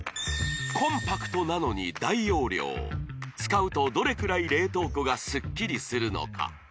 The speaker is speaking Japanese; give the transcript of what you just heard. コンパクトなのに大容量使うとどれくらい冷凍庫がすっきりするのか？